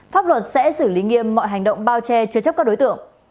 pháp luật sẽ xử lý nghiêm mọi hành động bao che chứa chấp các đối tượng